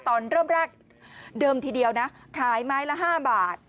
ตอนเริ่มแรกเดิมทีเดียวนะขายไม้ละ๕บาท